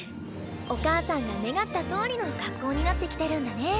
お母さんが願ったとおりの学校になってきてるんだね。